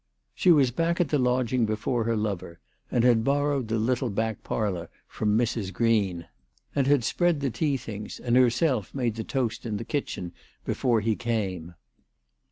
She was back at the lodging before her lover, and had borrowed the little back parlour from Mrs. Green, 318 THE TELEGRAPH GIRL. and had spread the tea things, and herself made the toast in the kitchen before he came.